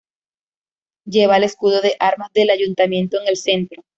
Lleva el escudo de armas del Ayuntamiento en el centro.